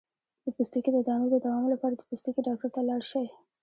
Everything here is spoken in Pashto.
د پوستکي د دانو د دوام لپاره د پوستکي ډاکټر ته لاړ شئ